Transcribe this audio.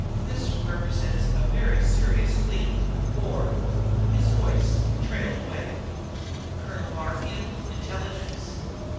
This represents a very serious leak or...." His voice trailed away. "Colonel Barfield, Intelligence?"